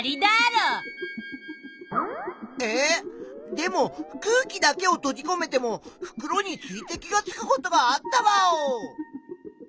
でも空気だけをとじこめても袋に水滴がつくことがあったワオ！